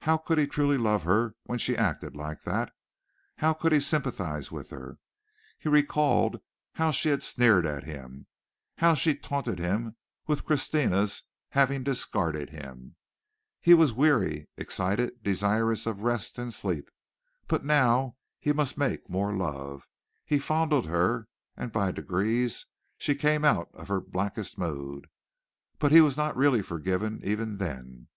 How could he truly love her when she acted like that? How could he sympathize with her? He recalled how she sneered at him how she taunted him with Christina's having discarded him. He was weary, excited, desirous of rest and sleep, but now he must make more love. He fondled her, and by degrees she came out of her blackest mood; but he was not really forgiven even then.